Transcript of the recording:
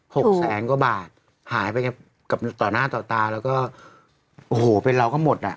หกแสนกว่าบาทหายไปกับต่อหน้าต่อตาแล้วก็โอ้โหเป็นเราก็หมดอ่ะ